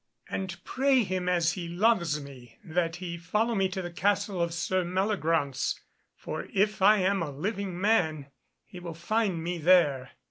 "And pray him, as he loves me, that he follow me to the castle of Sir Meliagraunce, for if I am a living man, he will find me there."